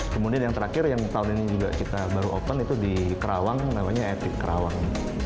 kemudian yang terakhir yang tahun ini juga kita baru open itu di kerawang namanya etik kerawang